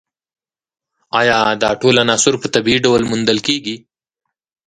ایا دا ټول عناصر په طبیعي ډول موندل کیږي